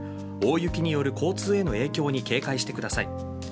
大雪による交通への影響に警戒してください。